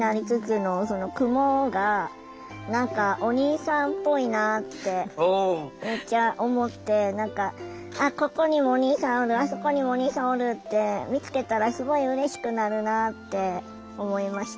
その雲が何かお兄さんっぽいなってめっちゃ思ってあっここにもお兄さんおるあそこにもお兄さんおるって見つけたらすごいうれしくなるなって思いました。